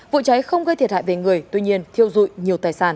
vụ cháy không gây thiệt hại về người tuy nhiên thiêu dụi nhiều tài sản